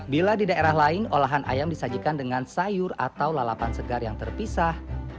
bila di daerah lain olahan ayam disajikan dengan sayur atau lalapan segar yang terpisah